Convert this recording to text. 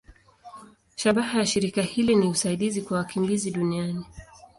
Shabaha ya shirika hili ni usaidizi kwa wakimbizi duniani.